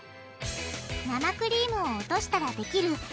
生クリームを落としたらできる